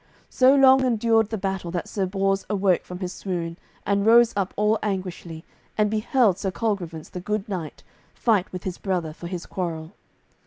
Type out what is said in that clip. So long endured the battle that Sir Bors awoke from his swoon, and rose up all anguishly, and beheld Sir Colgrevance, the good knight, fight with his brother for his quarrel.